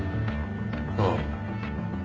ああ。